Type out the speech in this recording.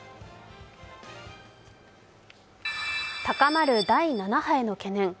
高まる第７波への懸念。